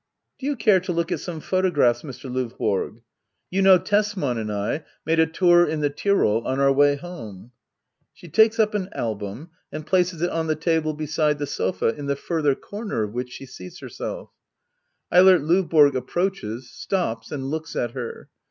] Do you care to look at some photographs^ Mr. L&vborg? You know Tesman and I made a tour in the Tyrol on our way home ? [She takes up an album, and places it on the table beside the sofa, in the further comer of which she seats herself Eilert L&YBORO approaches, stops, aud looks at her.